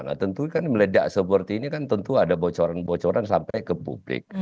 nah tentu kan meledak seperti ini kan tentu ada bocoran bocoran sampai ke publik